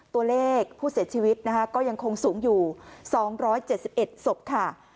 ตัวเลขผู้เสียชีวิตนะคะก็ยังคงสูงอยู่สองร้อยเจ็ดสิบเอ็ดสบค่ะ